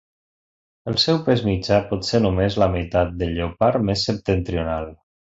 El seu pes mitjà pot ser només la meitat del lleopard més septentrional.